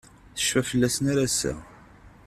Tecfa fell-asen ar ass-a.